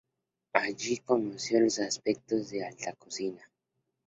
Allí conoció los aspectos de la alta cocina.